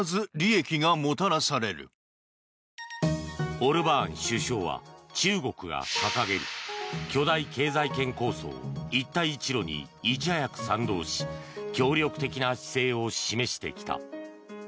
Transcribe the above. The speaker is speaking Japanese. オルバーン首相は中国が掲げる巨大経済圏構想、一帯一路にいち早く賛同し協力的な姿勢を示してきた。